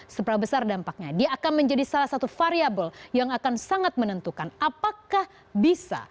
seberapa besar dampaknya dia akan menjadi salah satu variable yang akan sangat menentukan apakah bisa